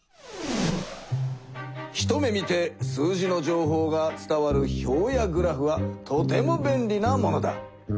一目見て数字の情報が伝わる表やグラフはとてもべんりなものだ。